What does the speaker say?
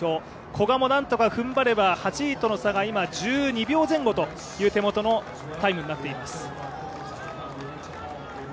古賀もなんとか踏ん張れば８位との差が１２秒前後というタイムになっています。